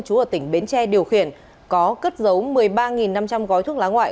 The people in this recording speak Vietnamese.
chú ở tỉnh bến tre điều khiển có cất giấu một mươi ba năm trăm linh gói thuốc lá ngoại